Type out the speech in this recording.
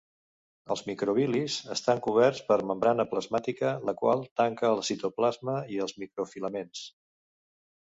Els microvil·lis estan coberts per membrana plasmàtica, la qual tanca el citoplasma i els microfilaments.